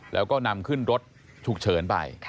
แล้วก็นำขึ้นรถฉุกเฉินไป